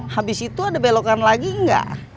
habis itu ada belokan lagi nggak